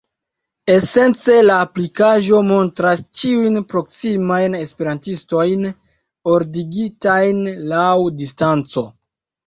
Esence, la aplikaĵo montras ĉiujn proksimajn esperantistojn ordigitajn laŭ distanco.